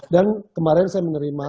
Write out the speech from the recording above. dan kemarin saya menerima